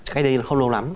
cái đây là không lâu lắm